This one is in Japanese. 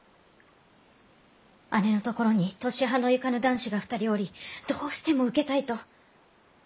姉のところに年端のゆかぬ男子が２人おりどうしても受けたいと！